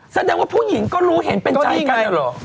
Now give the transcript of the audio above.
เฮ้ยแสดงว่าผู้หญิงก็รู้เห็นเป็นใจกัน